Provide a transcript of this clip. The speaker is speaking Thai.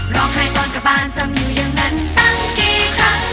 ร้องไห้ตอนกลับบ้านจะมีอยู่อย่างนั้นตั้งกี่ครั้ง